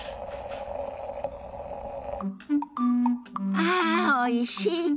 ああおいし。